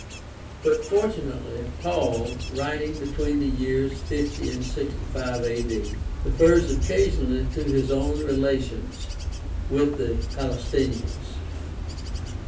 But fortunately Paul, writing between the years 50 and 65 A. D., refers occasionally to his own relations with the Palestinians.